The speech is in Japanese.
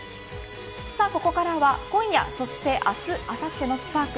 ここからは今夜そして明日あさってのＳ−ＰＡＲＫ